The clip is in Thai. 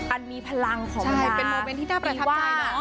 อันมีพลังของเราเป็นมุมเม้นท์ที่น่าประชับใจเนอะ